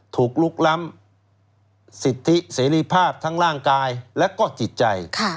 ถูกลุกล้ำสิทธิเสรีภาพทั้งร่างกายและก็จิตใจ